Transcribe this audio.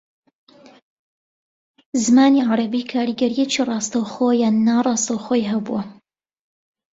زمانی عەرەبی کاریگەرییەکی ڕاستەوخۆ یان ناڕاستەوخۆیی ھەبووە